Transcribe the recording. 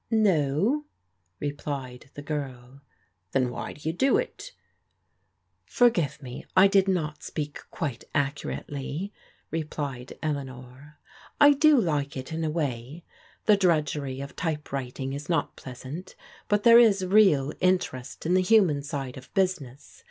No," replied the girl. Then why do you do it ?" Forgive me, I did not speak quite accurately," replied Eleanor. " I do like it in a way. The drudgery of type writing is not pleasant, but there is real interest in the human side of business.